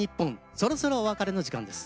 そろそろお別れの時間です。